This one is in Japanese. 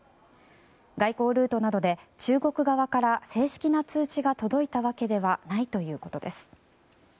外交ルートなどで中国側から正式な通知が届いたわけではないということです。